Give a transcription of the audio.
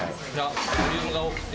ボリュームが多くて。